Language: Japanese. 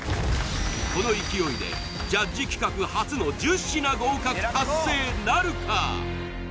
この勢いでジャッジ企画初の１０品合格達成なるか！？